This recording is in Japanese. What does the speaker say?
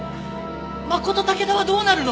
マコトタケダはどうなるの？